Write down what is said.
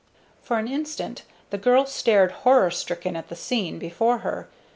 For an instant the girl stared horror stricken at the scene before her.